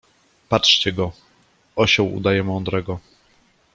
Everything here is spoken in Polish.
Patrzcie go: osioł, udaje mądrego.